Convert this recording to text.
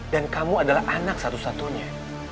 dan kamu adalah anak satu satunya